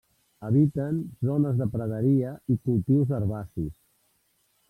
Habiten zones de praderia i cultius herbacis.